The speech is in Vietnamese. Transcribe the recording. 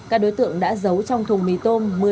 các đối tượng đã giấu trong thùng mì tôm